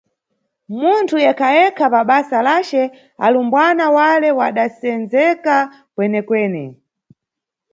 Munthu ekhaekha pabasa lace, alumbwana wale wadasendzeka kwenekwene.